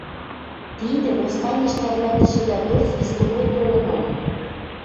Тидӹ восстаниш тӓрвӓтӹшӹвлӓ дорц «вестовой» толын ылын.